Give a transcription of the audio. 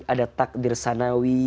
ada takdir sanawi